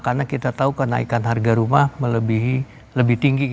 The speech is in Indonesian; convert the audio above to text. karena kita tahu kenaikan harga rumah lebih tinggi